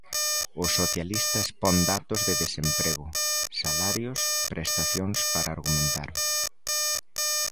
O socialista expón datos de desemprego, salarios, prestacións para argumentar.